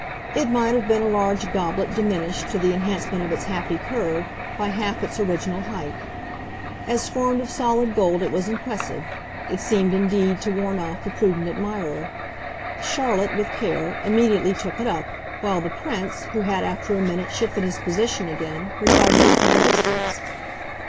It might have been a large goblet diminished, to the enhancement of its happy curve, by half its original height. As formed of solid gold it was impressive; it seemed indeed to warn off the prudent admirer. Charlotte, with care, immediately took it up, while the Prince, who had after a minute shifted his position again, regarded it from a distance.